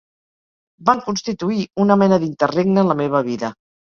Van constituir una mena d'interregne en la meva vida